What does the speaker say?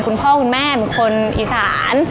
คุณพ่อคุณแม่เป็นคนอีสาน